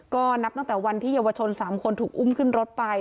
ก็นับตั้งแต่วันที่เยาวชน๓คนถูกอุ้มขึ้นรถไป